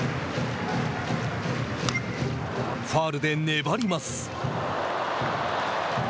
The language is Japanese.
ファウルで粘ります。